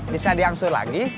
bisa diangsur lagi